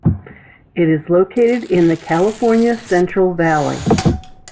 It is located in the California Central Valley.